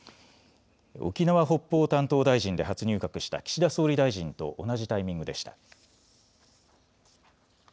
沖縄・北方担当大臣で初入閣した岸田総理大臣と同じタイミングでした。